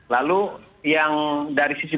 lalu yang dari sisi